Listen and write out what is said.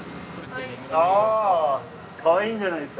あかわいいんじゃないですか？